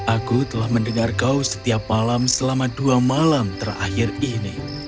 aku telah mendengar kau setiap malam selama dua malam terakhir ini